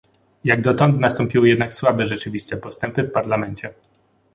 Jak dotąd nastąpiły jednak słabe rzeczywiste postępy w Parlamencie